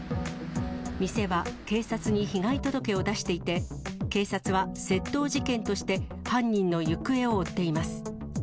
店は警察に被害届を出していて、警察は窃盗事件として犯人の行方を追っています。